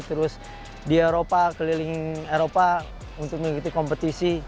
terus di eropa keliling eropa untuk mengikuti kompetisi